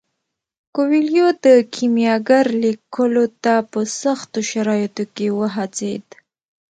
کویلیو د کیمیاګر لیکلو ته په سختو شرایطو کې وهڅید.